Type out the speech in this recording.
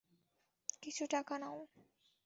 কিছু টাকা নাও।